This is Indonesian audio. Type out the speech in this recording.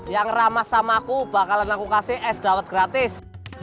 yang ramah sama aku bakalan aku kasih es dawet gratis